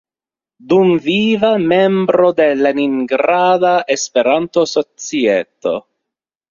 Dumviva membro de Leningrada Espertanto-Societo.